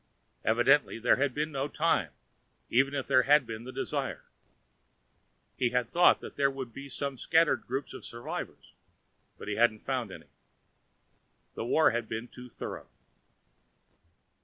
Evidently there had been no time, even if there had been the desire. He had thought that there would be scattered groups of survivors, but he hadn't found any. The war had been too thorough.